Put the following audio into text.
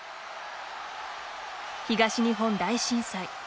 東日本大震災。